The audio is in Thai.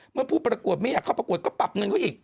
เมื่อผู้ประกวดไม่อยากเข้าประกวดก็ปรับเงินเขาอีก